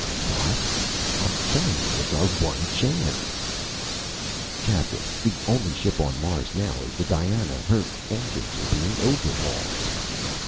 "What? I'm telling you it's our one chance!" "Captain, the only ship on Mars now is the Diana. Her engines are being overhauled."